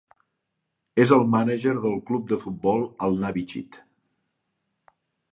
És el mànager del club de futbol Al-Nabi Chit.